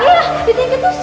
iya di tinggi tusuk